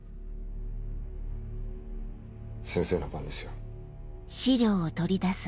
先生の番ですよ。